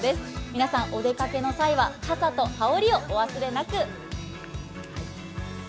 皆さん、お出かけの際は傘と羽織りをお忘れなく。